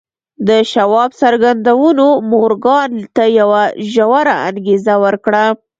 د شواب څرګندونو مورګان ته يوه ژوره انګېزه ورکړه.